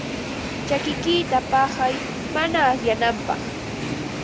Chakikiyta paqay mana asyananpaq.